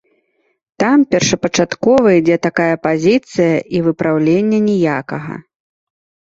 Там першапачаткова ідзе такая пазіцыя, і выпраўлення ніякага.